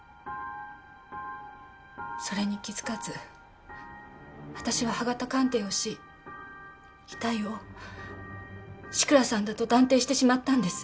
それに気づかず私は歯型鑑定をし遺体を志倉さんだと断定してしまったんです。